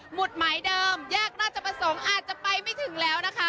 ุดหมายเดิมแยกราชประสงค์อาจจะไปไม่ถึงแล้วนะคะ